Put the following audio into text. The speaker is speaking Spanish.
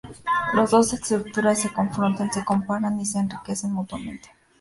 Las dos estructuras se confrontan, se comparan, y se enriquecen mutuamente.